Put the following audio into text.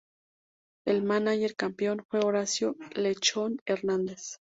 El mánager campeón fue Horacio "Lechón" Hernández.